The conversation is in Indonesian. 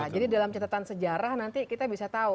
jadi dalam catatan sejarah nanti kita bisa tahu